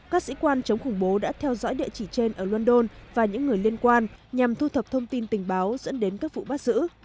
các sĩ quan chống khủng bố đã theo dõi địa chỉ trên ở london và những người liên quan nhằm thu thập thông tin tình báo dẫn đến các vụ bắt giữ